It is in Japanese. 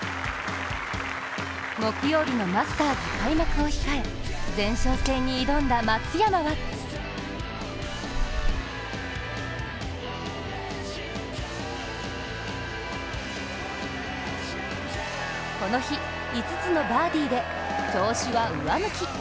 木曜日のマスターズ開幕を控え前哨戦に挑んだ松山はこの日、５つのバーディーで調子は上向き。